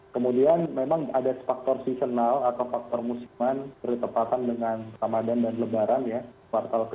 kemudian memang ada faktor seasonal atau faktor musiman bertepatan dengan samadhan dan lebaran ya kuartal ke dua